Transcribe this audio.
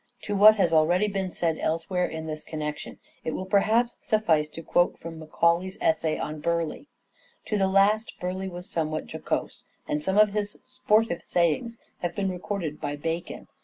To what has already been said elsewhere in this connection, it will perhaps suffice to quote from Macaulay's essay on Burleigh: " To the last Burleigh was somewhat jocose ; and some of his sportive sayings have been recorded by Bacon.